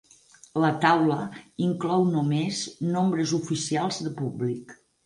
La taula inclou només nombres oficials de públic.